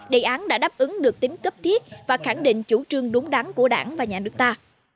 đề án đã đáp ứng được tính cấp thiết và khẳng định chủ trương đúng đắn của đảng và nhà nước ta